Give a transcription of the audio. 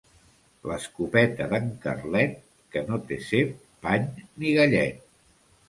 L'escopeta d'en Carlet, que no té cep, pany ni gallet.